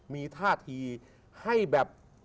มีท่าทีให้แบบ